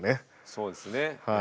そうですね。